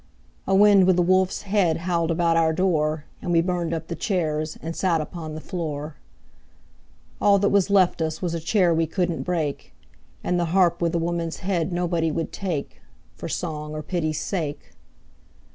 A wind with a wolf's head Howled about our door, And we burned up the chairs And sat upon the floor. All that was left us Was a chair we couldn't break, And the harp with a woman's head Nobody would take, For song or pity's sake.